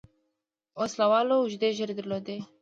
وسله والو اوږدې ږيرې درلودې.